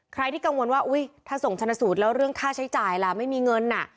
ใครที่กังวลว่าอุ๊ยถ้าส่งชนะสูตรแล้วเรื่องค่าใช้จ่ายล่ะไม่มีเงิน